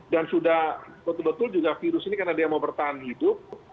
dan sudah betul betul juga virus ini karena dia mau bertahan hidup